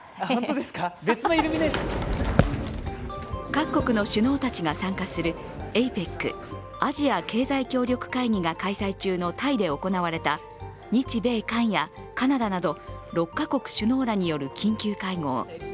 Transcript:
各国の首脳たちが参加するＡＰＥＣ＝アジア経済協力会議が開催中のタイで行われた日米韓やカナダなど６か国首脳らによる緊急会合。